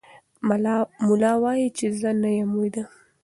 ملا وایي چې زه نه یم ویده.